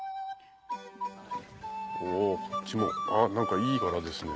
おこっちも何かいい柄ですね。